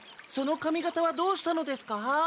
その髪形はどうしたのですか？